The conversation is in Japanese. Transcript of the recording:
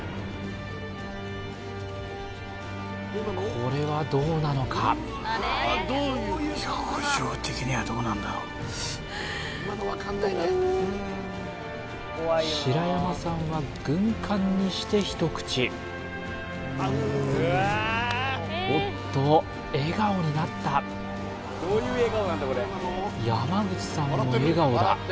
これはどうなのか白山さんは軍艦にして一口おっと笑顔になった山口さんも笑顔だ